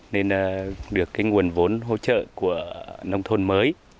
nên được cái nguồn vốn hỗ trợ của nông thôn mới